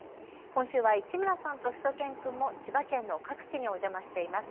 今週は市村さんとしゅと犬くんも千葉県の各地にお邪魔しています。